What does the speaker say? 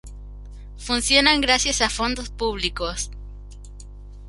Funcionan gracias a fondos públicos.